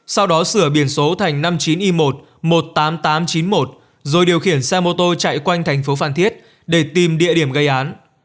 sau đó sửa biển số thành năm mươi chín i một mươi tám nghìn tám trăm chín mươi một rồi điều khiển xe mô tô chạy quanh thành phố phan thiết để tìm địa điểm gây án